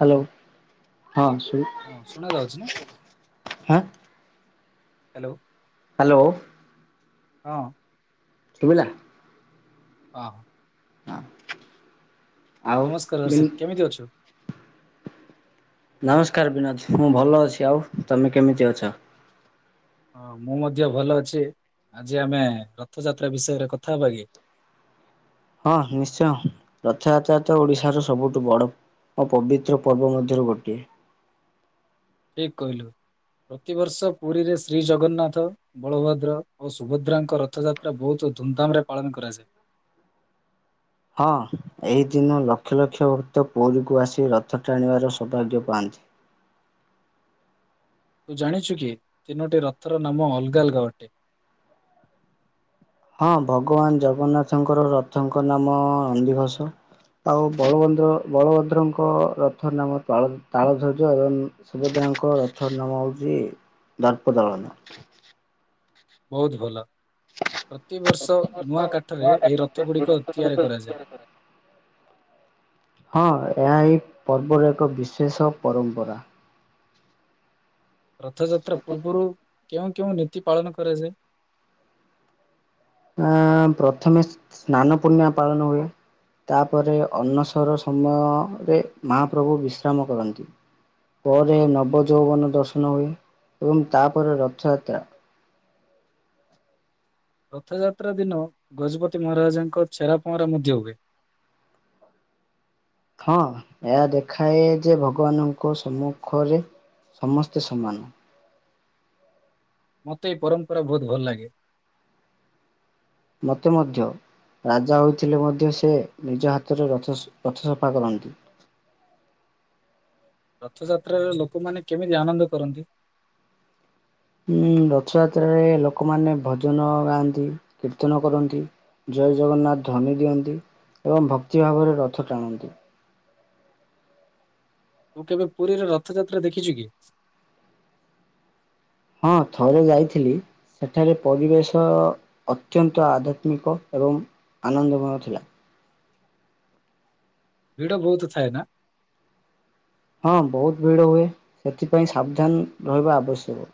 Hello ହଁ ଶୁ ହଁ। ହାଲୋ। ହାଲୋ। ହଁ। ଶୁବିଲା? ହଁ। ହଁ। ନମସ୍କାର ହର୍ଷିତ କେମିତି ଅଛୁ? ନମସ୍କାର ବିନୋଦ ମୁଁ ଭଲ ଅଛି ଆଉ ତମେ କେମିତି ଅଛ? ହଁ ମୁଁ ମଧ୍ୟ ଭଲ ଅଛି ଆଜି ଆମେ ରଥଯାତ୍ରା ବିଷୟରେ କଥା ହବା କି? ହଁ ନିଶ୍ଚୟ ରଥଯାତ୍ରା ତ ଓଡିଶାର ସବୁଠୁ ବଡ ମୋ ପବିତ୍ର ପର୍ବ ମଧ୍ୟରୁ ଗୋଟିଏ। ଠିକ କହିଲୁ। ପ୍ରତିବର୍ଷ ପୁରୀରେ ଶ୍ରୀ ଜଗନ୍ନାଥ ବଳଭଦ୍ର ଓ ସୁଭଦ୍ରାଙ୍କ ରଥଯାତ୍ରା ବହୁତ ଧୁମଧାମ ରେ ପାଳନ କରାଯାଏ। ହଁ ଏହି ଦିନ ଲକ୍ଷ ଲକ୍ଷ ଭକ୍ତ ପୁରୀକୁ ଆସି ରଥ ଟାଣିବାର ସୌଭାଗ୍ୟ ପାଆ [inaudible] ତୁ ଜାଣିଛୁ କି ତିନୋଟି ରଥର ନାମ ଅଲଗା ଅଲଗା ଅଟେ। ହଁ ଭଗବାନ ଜଗନ୍ନାଥଙ୍କର ରଥଙ୍କ ନାମ ନନ୍ଦିଘୋଷ। ଆଉ ବଳଭଦ୍ର ବଳଭଦ୍ରଙ୍କ ରଥ ର ନାମ ତାଳ-ତାଳଧ୍ଵଜ ଏବଂ ସୁଭଦ୍ରା ତାଙ୍କ ରଥର ନାମ ହଉଚି ଦର୍ପଦଳନ। ବହୁତ ଭଲ। ପ୍ରତିବର୍ଷ ନୂଆ କାଠରେ ଏହି ରଥଗୁଡ଼ିକ ତିଆରି କରାଯାଏ। [inaudible] ହଁ ଏହା ହଇ ପର୍ବର ଏକ ବିଶେଷ ପରମ୍ପରା। ରଥଯାତ୍ରା ପୁର୍ବୁରୁ କେଉଁ କେଉଁ ନୀତି ପାଳନ କରାଯାଏ। ଅ ପ୍ରଥମେ ସ୍ନାନ ପୂର୍ଣ୍ଣିମା ପାଳନ ହୁଏ। ତାପରେ ଅନସର ସମୟରେ ମହାପ୍ରଭୁ ବିଶ୍ରାମ କରନ୍ତି। ପରେ ନବ ଯୌବନ ଦର୍ଶନ ହୁଏ ଏବଂ ତାପରେ ରଥଯାତ୍ରା। ରଥଯାତ୍ରା ଦିନ ଗଜପତି ମହାରାଜାଙ୍କ ଛେରା ପଁରା ମଧ୍ୟ ହୁଏ। [inaudible] ହଁ ଏହା ଦେଖାଏ ଯେ ଭଗବାନଙ୍କ ସମ୍ମୁଖରେ। ସମସ୍ତେ ସମାନ। ମୋତେ ଏ ପରମ୍ପରା ବହୁତ ଭଲ ଲାଗେ। ମତେ ମଧ୍ୟ। ରାଜା ହୋଇଥିଲେ ମଧ୍ୟ ସେ ନିଜ ହାତରେ ରଥ ରଥ ସଫା କରନ୍ତି। ହ ରଥଯାତ୍ରାରେ ଲୋକମାନେ କେମିତି ଆନନ୍ଦ କରନ୍ତି। ହୁଁ ରଥଯାତ୍ରାରେ ଲୋକମାନେ ଭଜନ ଗାଆନ୍ତି କୀର୍ତ୍ତନ କରନ୍ତି। ଜୟ ଜଗନ୍ନାଥ ଧନୀ ଦିଅନ୍ତି ଏବଂ ଭକ୍ତି ଭାବରେ ରଥ ଟାଣନ୍ତି। ତୁ କେବେ ପୁରୀରେ ରଥଯାତ୍ରା ଦେଖିଛୁ କି? ହଁ ଥରେ ଯାଇଥିଲି। ସେଠାରେ ପରିବେଶ ଅତ୍ୟନ୍ତ ଆଧ୍ୟାତ୍ମିକ ଏବଂ ଆନନ୍ଦମୟ ଥିଲା। ଭିଡ ବହୁତ ଥାଏ ନା। ହଁ ବହୁତ ଭିଡ ହୁଏ ସେଥିପାଇଁ ସାବଧାନ ରହିବା ଆବଶ୍ୟକ।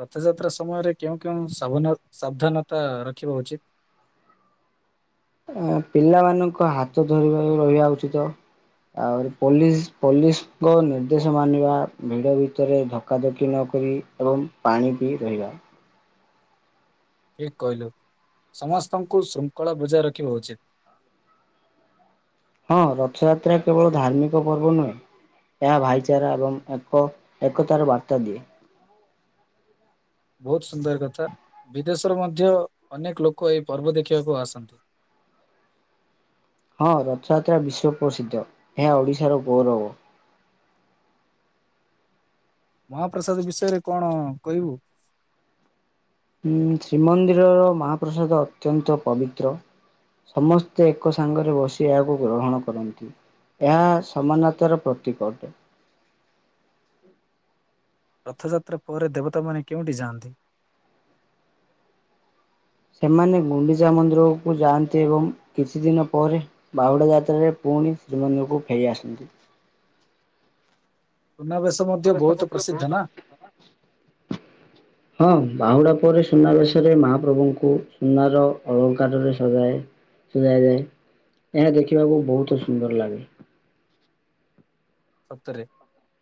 ରଥଯାତ୍ରା ସମୟରେ କେଉଁ କେଉଁ ସାଭନ ସାବଧାନତା ରଖିବା ଉଚିତ୍। ପିଲାମାନଙ୍କ ହାତ ଧରିବା ରହିବା ଉଚିତ। ଆଉ ପୋଲିସ ପୋଲିସଙ୍କ ନିର୍ଦ୍ଦେଶ ମାନିବା ଭିଡ ଭିତରେ ଧକ୍କା ଧକି ନ ପି ଏବଂ ପାଣି ବି ରହିବା। ଠିକ କହିଲୁ ସମସ୍ତଙ୍କୁ ଶୃଙ୍ଖଳା ବଜାଇ ରଖିବା ଉଚିତ। ହଁ ରଥଯାତ୍ରା କେବଳ ଧାର୍ମିକ ପର୍ବ ନୁହେଁ। ଏହା ଭାଇଚାରା ଏବଂ ଏକ ଏକତାର ବାର୍ତ୍ତା ଦିଏ। ବହୁତ ସୁନ୍ଦର କଥା ବିଦେଶରୁ ମଧ୍ୟ ଅନେକ ଲୋକ ଏଇ ପର୍ବ ଦେଖିବାକୁ ଆସନ୍ତି। [inaudible] ହଁ ରଥଯାତ୍ରା ବିଶ୍ଵ ପ୍ରସିଦ୍ଧ ଏହା ଓଡିଶାର ଗୌରବ। ମହାପ୍ରସାଦ ବିଷୟରେ କଣ କହିବୁ। ହୁଁ ଶ୍ରୀମନ୍ଦିରର ମହାପ୍ରସାଦ ଅତ୍ୟନ୍ତ ପବିତ୍ର। ସମସ୍ତେ ଏକ ସାଙ୍ଗରେ ବସି ଏହାକୁ ଗ୍ରହଣ କରନ୍ତି। ଏହା ସମାନତାର ପ୍ରତୀକ ଅଟେ। ରଥଯାତ୍ରା ପରେ ଦେବତାମାନେ କେଉଁଠି ଯାଆନ୍ତି। ସେମାନେ ଗୁଣ୍ଡିଚା ମନ୍ଦିରକୁ ଯାଆନ୍ତି ଏବଂ କିଛି ଦିନ ପରେ ବାହୁଡା ଯାତ୍ରାରେ ପୁଣି ସେମାନଙ୍କୁ ଫେରି ଆସନ୍ତି। ହଁ। ବାହୁଡା ପରେ ସୁନାବେଶରେ ମହାପ୍ରଭୁଙ୍କୁ ସୁନାର ଅଳଙ୍କାରରେ ସଜାଏ। ସୁଝାଯାଏ ଏହା ଦେଖିବାକୁ ବହୁତ ସୁନ୍ଦର ଲାଗେ। ସତରେ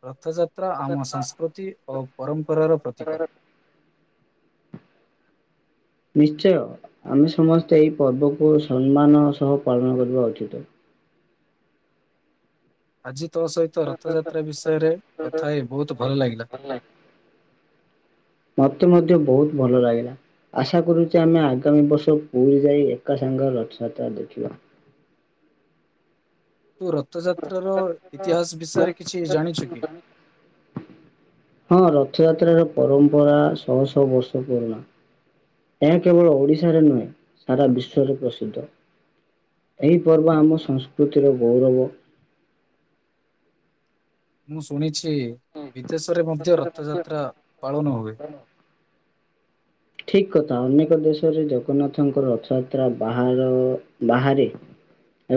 ରଥଯାତ୍ରା ଆମ ସଂସ୍କୃତି ଓ ପରମ୍ପରା। ପରମ୍ପରା ର ପ୍ରତୀକ। ନିଶ୍ଚୟ ଆମେ ସମସ୍ତେ ଏଇ ପର୍ବକୁ ସମ୍ମାନ ସହ ପାଳନ କରିବା ଉଚିତ। ଆଜି ତୋ ସହିତ ରଥଯାତ୍ରା ବିଷୟରେ କଥା ହେ ବହୁତ ଭଲ ଲାଗିଲା। ମୋତେ। ବହୁତ ଭଲ ଲାଗିଲା ଆଶା କରୁଛି ଆମେ ଆଗାମୀ ବର୍ଷ ପୁରୀ ଯାଇ ଏକା ସାଙ୍ଗ ରଥଯାତ୍ରା ଦେ ଦେଖିବା। ତୁ ରଥଯାତ୍ର ର ଇତିହାସ ବିଷୟରେ କିଛି ଜାଣିଛୁ କି? ହଁ ରଥଯାତ୍ରାର ପରମ୍ପରା ଶହ ଶହ ବର୍ଷ ପୁରୁଣା। ଏହା କେବଳ ଓଡ଼ିଶାରେ ନୁହେଁ ସାରା ବିଶ୍ୱରେ ପ୍ରସିଦ୍ଧ। ଏହି ପର୍ବ ଆମ ସଂସ୍କୃତିର ଗୌରବ। ମୁଁ ଶୁଣିଛି ବିଦେଶରେ ମଧ୍ୟ ରଥଯାତ୍ରା ପାଳନ ହୁଏ। ଠି କଥା ଅନେକ ଦେଶରେ ଜଗନ୍ନାଥଙ୍କ ରଥଯାତ୍ରା ବାହାର ବାହାରେ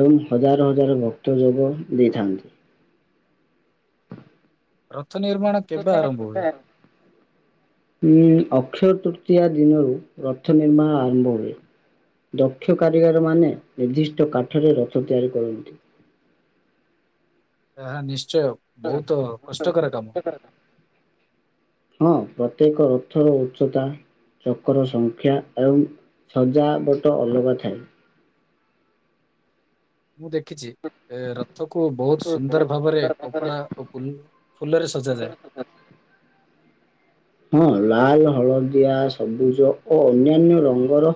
ଏବଂ ହଜାର ହଜାର ଭକ୍ତ ଯୋଗ ଦେଇଥାନ୍ତି। [inaudible] ରଥ ନିର୍ମାଣ କେବେ ଆରମ୍ଭ ହୁଏ। ଉଁ ଅକ୍ଷୟ ତୃତୀୟା ଦିନରୁ ରଥ ନିର୍ମାଣ ଆରମ୍ଭ ହୁଏ। ଦକ୍ଷ କାରିଗର ମାନେ ନିର୍ଦ୍ଦିଷ୍ଟ କାଠରେ ରଥ ତିଆରି କରନ୍ତି। ଏହା ନିଶ୍ଚୟ ବହୁତ କଷ୍ଟକର କାମ। ପ୍ରତ୍ୟେକ ରଥର ଉଚ୍ଚତା। ଚକର ସଂଖ୍ୟା ଏବଂ ସଜାବଟ ଅଲଗା ଥାଏ। ମୁଁ ଦେଖିଛି ଏ ରଥକୁୁ ବହୁତ ସୁନ୍ଦର ଭାବରେ କପଡା ଓ ଫୁ ଫୁଲରେ ସଜାନ୍ତି। [unintelligible] ହଁ ଲାଲ୍ ହଳଦିଆ ସବୁଜ ଓ ଅନ୍ୟାନ୍ୟ ରଙ୍ଗର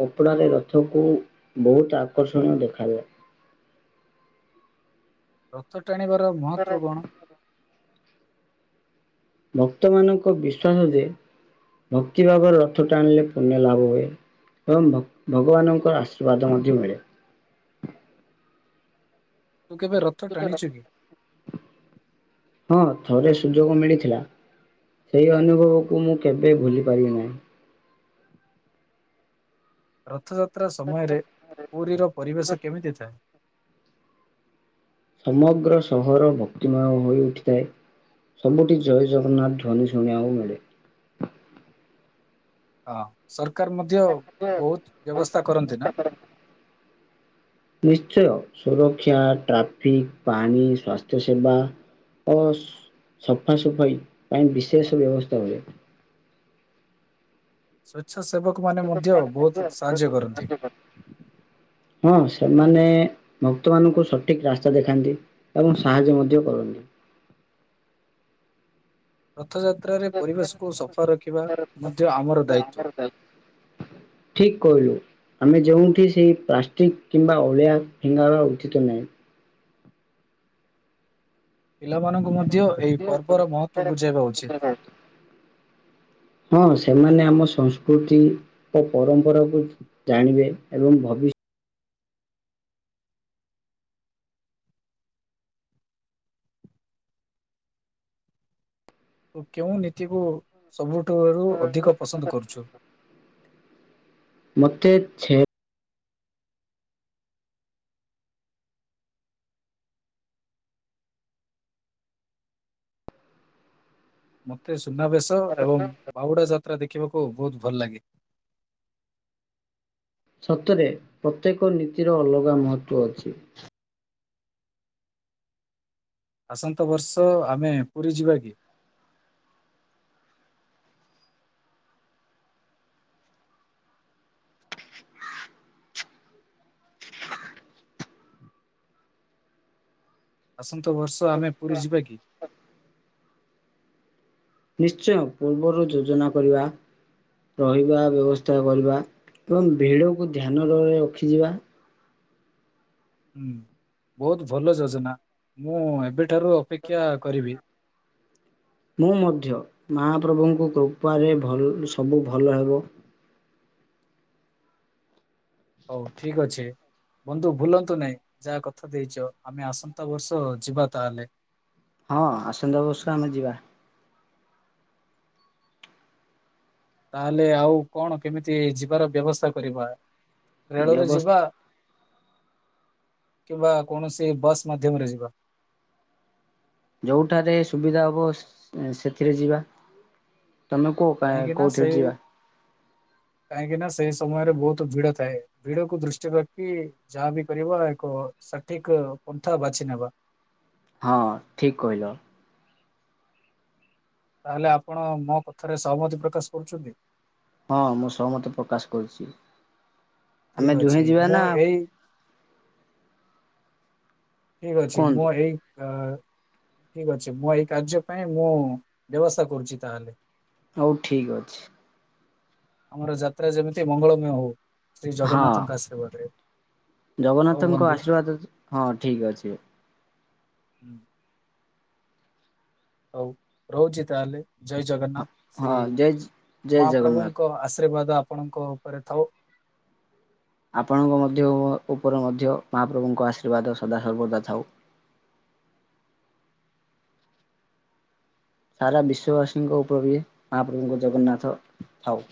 କପଡ଼ାରେ ରଥକୁ ବହୁତ୍ ଆକର୍ଷଣୀୟ ଦେଖାଯାଏ। ରଥ ଟାଣିବାର ମହତ୍ବ କଣ? ଭକ୍ତମାନଙ୍କ ବିଶ୍ୱାସ ଯେ ଭକ୍ତିଭାବର ରଥ ଟାଣିଲେ ପୁନ୍ୟଲାଭ ହୁଏ। ଏବଂ ଭଗ ଭଗବାନଙ୍କର ଆଶ୍ରୀବାଦ ମଧ୍ୟ ମିଳେ। [unintelligible] ହଁ ଥରେ ସୁଯଗ ମିଳିଥିଲା। ସେଇ ଅନୁଭବକୁ ମୁଁ କେବେ ଭୁଲି ପାରିବି ନାହିଁ। ରଥଯାତ୍ରା ସମୟରେ ପୁରୀର ପରିବେଶ କେମିତି ଥାଏ? ସମଗ୍ର ସହର ଭକ୍ତିମୟ ହୋଇଉଠିଥାଏ। ସବୁଠି ଜୟ ଜଗନ୍ନାଥ ଧ୍ୱନି ଶୁଣିବାକୁ ମିଳେ। ହଁ ସର କାର ମଧ୍ୟ ବହୁତ୍ ବ୍ୟବସ୍ତା କରନ୍ତି ନା? ସୁରକ୍ଷା ଟ୍ରାଫିକ ପାଣି ସ୍ୱାସ୍ଥ୍ୟ ସେବା। ଓ ସଫାସଫାଇ ପାଇଁ ବିଶେଷ ବ୍ୟବସ୍ଥା ହୁଏ। ସ୍ଵେଚ୍ଛାସେବକ ମାନ ମଧ୍ୟ ବହୁତ ସାହାଯ୍ୟ କରନ୍ତି। ହଁ ସେମାନେ ଭକ୍ତ ମାନଙ୍କୁ ସଠିକ ରାସ୍ତା ଦେଖାନ୍ତି ଏବଂ ସାହାଯ୍ୟ ମଧ୍ୟ କରନ୍ତି। ରଥଯାତ୍ରାରେ ପରିବେଶକୁ ସଫା ରଖିବା ମଧ୍ୟ ଆମର ଦାୟିତ୍ୱ। ଠିକ କହିଲୁ। ଆମେ ଯୋଉଠି ସେଇ ପ୍ଲାଷ୍ଟିକ କିମ୍ବା ଅଳିଆ ଫିଙ୍ଗାବା ଉଚିତ ନୁହେଁ। ପିଲାମାନଙ୍କୁ ମଧ୍ୟ ଏହି ପର୍ବର ମହତ୍ବ ବୁଝାଇବା ଉଚିତ। ହଁ। ସେମାନେ ଆମ ସଂସ୍କୃତି ଓ ପରମ୍ପରାକୁ ଜାଣିବେ ଏବଂ ଭବିଷ୍ୟ କେଉଁ ନୀତିକୁ ସବୁଠାରୁ ଅଧିକ ପସନ୍ଦ କରୁଛୁ? ମୋତେ ଛେ ମତେ ସୁନାବେଶ ଏବଂ ବାହୁଡା ଯା ଯାତ୍ରା ଦେଖିବାକୁ ବହୁତ ଭଲ ଲାଗେ। ସତରେ ପ୍ରତ୍ୟେକ ନୀତିର ଅଲଗା ମହତ୍ବ ଅଛି। ଆସନ୍ତା ବର୍ଷ ଆମେ ପୁରୀ ଯିବା କି? ଆସନ୍ତା ବର୍ଷ ଆମେ ପୁରୀ ଯିବା କି? ନିଶ୍ଚୟ ପୂର୍ବରୁ ଯୋଜନା କରିବା। ରହିବା ବ୍ୟବସ୍ଥା କରିବା ଏବଂ ଭିଡକୁ ଧ୍ୟାନରେ ରଖିଯିବା। ହୁଁ ବୋହୁତ ଭଲ ଯୋଜନା ମୁଁ ଏବେଠାରୁ ଅପେକ୍ଷା କରିବି। ମୁଁ ମଧ୍ୟ ମହାପ୍ରଭୁଙ୍କୁ କୃପାରେ ଭଲ୍-ସବୁ ଭଲ ହେବ। ହୋଉ ଠିକଅଛି। ବନ୍ଧୁ ଭୁଲନ୍ତୁ ନାଇଁ ଯାହା କଥା ଦେଇଚ ଆମେ ଆସନ୍ତା ବର୍ଷ ଯିବା ତାହେଲେ। ହଁ ଆସନ୍ତାବର୍ଷକୁ ଆମେ ଯିବା। ତାହେଲେ ଆଉ କଣ କେମିତି ଯିବାର ବ୍ୟବସ୍ତା କରିବା? ରେଳରେ ଯିବା କିମ୍ବା କୌଣସି ବସ ମାଧ୍ୟମରେ ଯିବା? ଯୋଉଠାରେ ସୁବିଧା ହବ ସ୍-ଉଁ-ସେଥିରେ ଯିବା। ତମେ କୁହ କା-କୋଉଥିରେ ଯିବା? କାହିଁକିନା ସେହି ସମୟରେ ବୋହୁତ ଭିଡ ଥାଏ ଭିଡକୁ ଦୃଷ୍ଟିରେ ରଖି ଯାହାବିି କରିବା ଏକ ସଠିକ ପନ୍ଥା ବାଛିନେବା। ହଁ ଠିକ କହିଲ। ତାହେଲେ ଆପଣ ମୋ କଥାରେ ସହମତି ପ୍ରକାଶ କରୁଛନ୍ତି? ହଁ ମୁଁ ସହମତି ପ୍ରକାଶ କରୁଛି। ଆମେ ଦୁହେଁ ଯିବା ନା ଆଉ ଠିକ୍ ଅଛି ମୋ ହେଇ କା ଠିକ ଅଛି ମୋ ଏଇ କାର୍ଯ୍ୟ ପାଇଁ ମୁଁ ବ୍ୟବସ୍ଥା କରୁଚି ତାହେଲେ। ହୋଉ ଠିକଅଛି। ଆମର ଯାତ୍ରା ଯେମିତି ମଙ୍ଗଳମୟ ହୋଉ ଶ୍ରୀ ଜଗନ୍ନାଥଙ୍କ ଆଶ୍ରିବାଦରେ। ଜଗନ୍ନାଥଙ୍କ ଆଶୀର୍ବାଦ ତ ହଁ ଠିକଅଛି। ହୁଁ। ହୋଉ ରହୁଚି ତାହେଲେ ଜୟ ଜଗନ୍ନାଥ ସେଇ ମହାପ୍ରଭୁଙ୍କ ଆଶ୍ ଆଶୀର୍ବାଦ ଆପଣଙ୍କ ଉପରେ ଥାଉ। ଆପଣଙ୍କ ମଧ୍ୟ ଉପରେ ମଧ୍ୟ ମହାପ୍ରଭୁଙ୍କ ଆଶୀର୍ବାଦ ସଦାସର୍ବଦା ଥାଉ। ସାରା ବିଶ୍ୱବାସୀଙ୍କ ଉପରେ ବି ମହାପ୍ରଭୁଙ୍କ ଜଗନ୍ନାଥ ଥାଉ।